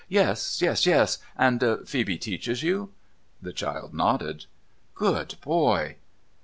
' Yes, yes, yes. And Phoebe teaches you ?' The child nodded. ' Good boy.'